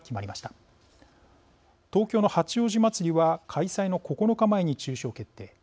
東京の八王子まつりは開催の９日前に中止を決定。